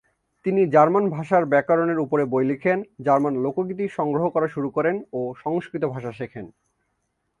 তিনি জার্মান ভাষার ব্যাকরণের ওপরে বই লেখেন, জার্মান লোকগীতি সংগ্রহ করা শুরু করেন ও সংস্কৃত ভাষা শেখেন।